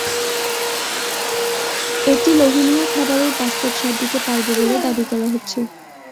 এটি লোভনীয় খাবারের বাস্তব স্বাদ দিতে পারবে বলে দাবি করা হচ্ছে।